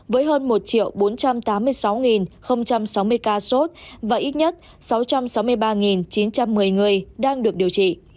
với hơn một bốn trăm tám mươi sáu sáu mươi ca sốt và ít nhất sáu trăm sáu mươi ba chín trăm một mươi người đang được điều trị